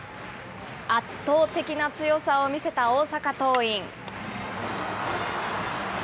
圧倒的な強さを見せた大阪桐蔭。